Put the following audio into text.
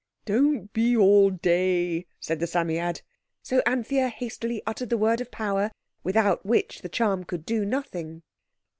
"Don't be all day," said the Psammead. So Anthea hastily uttered the word of power, without which the charm could do nothing.